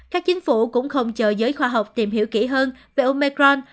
các chính phủ cũng không chờ giới khoa học tìm hiểu kỹ hơn về omecron